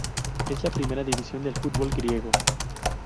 Es la primera división del fútbol griego.